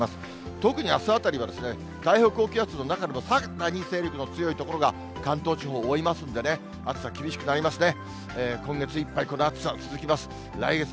特にあすあたりは太平洋高気圧の中でもさらに勢力の強い所が関東地方覆いますのでね、暑さ厳しくなりますね。